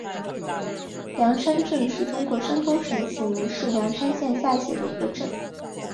梁山镇是中国山东省济宁市梁山县下辖的一个镇。